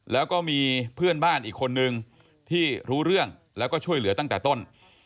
แล้วก็มีเพื่อนบ้านอีกคนนึงที่รู้เรื่องแล้วก็ช่วยเหลือตั้งแต่ต้น